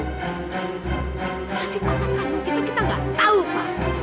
masih anak kami kita nggak tahu pa